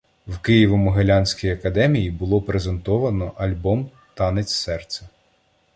в Києво-Могилянській Академії було презентовано альбом Танець Серця